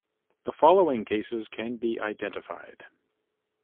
The following cases can be identified.